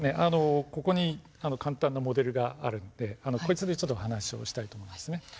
ここに簡単なモデルがあるんでこいつでちょっと話をしたいと思いますね。